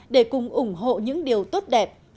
để cùng ủng hộ những điều tốt đẹp